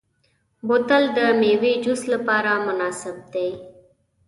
بوتل د میوې جوس لپاره مناسب دی.